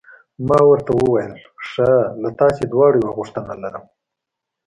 ما ورته وویل: ښه، له تاسي دواړو یوه غوښتنه لرم.